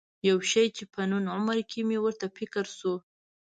یو شی چې په نن عمره کې مې ورته فکر شو.